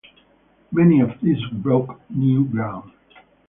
Many of these broke new ground.